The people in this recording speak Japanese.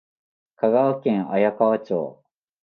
香川県綾川町